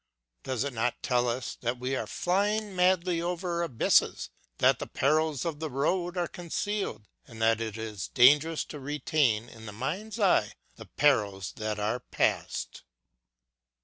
Does it not tell us that we are flying madly over abysses, that the perils of the road are concealed and that it is dangerous to retain in the mind's eye the perils that are past